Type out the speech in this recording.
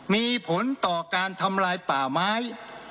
มีผลต่อการทำลายป่าไม้